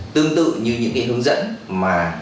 tương tự như những cái hướng dẫn mà